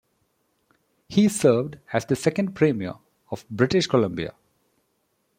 He served as the second Premier of British Columbia.